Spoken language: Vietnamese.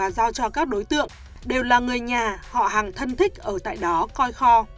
giao cho các đối tượng đều là người nhà họ hàng thân thích ở tại đó coi kho